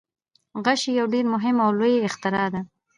غشی یو ډیر مهم او لوی اختراع و.